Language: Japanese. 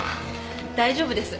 大丈夫です。